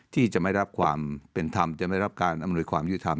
ที่จะไม่รับความเป็นธรรมจะไม่รับการอำนวยความยุทธรรม